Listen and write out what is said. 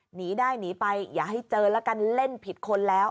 หนีได้หนีไปอย่าให้เจอแล้วกันเล่นผิดคนแล้ว